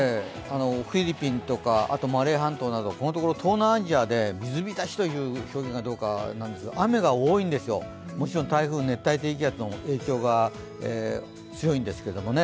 フィリピンとかマレー半島など、このところ東南アジアで水浸しという表現がいいのかどうか、雨が多いんですよ、もちろん台風、熱帯低気圧の影響が強いんですけどもね。